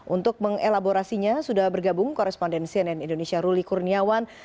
untuk mengelaborasinya sudah bergabung korespondensi nn indonesia ruli kurniawan